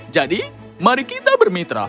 jadi mari kita bermitra